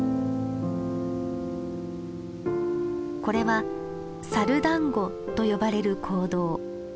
これは「サル団子」と呼ばれる行動。